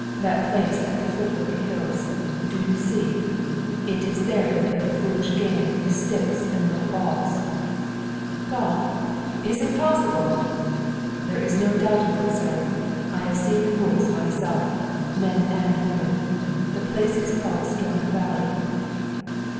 That place at the foot of the hills do you see? it is there they play a foolish game with sticks and little balls " "Golf? Is it possible!" "There is no doubt of it, sir. I have seen the fools myself men and women. The place is called Storm Valley."